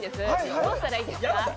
どうしたらいいですか？